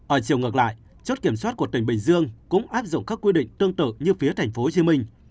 ở chiều ngược lại chốt kiểm soát của tỉnh bình dương cũng áp dụng các quy định tương tự như phía tp hcm